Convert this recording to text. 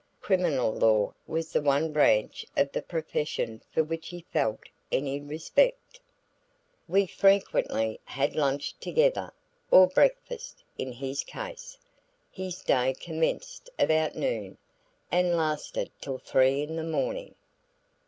Criminal law was the one branch of the profession for which he felt any respect. We frequently had lunch together; or breakfast, in his case. His day commenced about noon and lasted till three in the morning.